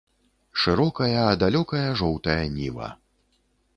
Шырокая а далёкая жоўтая ніва!